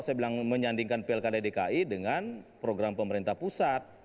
saya bilang menyandingkan pilkada dki dengan program pemerintah pusat